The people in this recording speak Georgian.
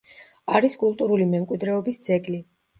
არის კულტურული მემკვიდრეობის ძეგლი.